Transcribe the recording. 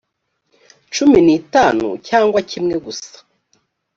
cumi n itanu cyangwa kimwe gusa